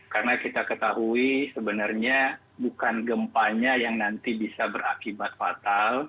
karena kita ketahui sebenarnya bukan gempanya yang nanti bisa berakibat fatal